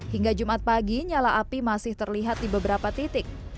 hingga jumat pagi nyala api masih terlihat di beberapa titik